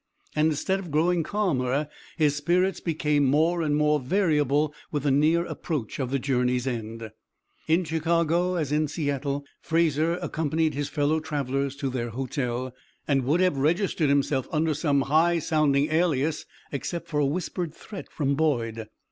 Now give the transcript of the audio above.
And instead of growing calmer his spirits became more and more variable with the near approach of the journey's end. In Chicago, as in Seattle, Fraser accompanied his fellow travellers to their hotel, and would have registered himself under some high sounding alias except for a whispered threat from Boyd.